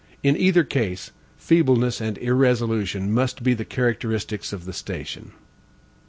In either case, feebleness and irresolution must be the characteristics of the station.